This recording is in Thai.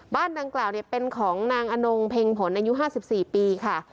บ้านดังกล่าวเป็นของนางอนงเพ็งผลอายุ๕๔ปีค่ะ